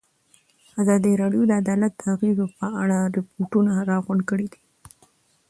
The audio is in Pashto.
ازادي راډیو د عدالت د اغېزو په اړه ریپوټونه راغونډ کړي.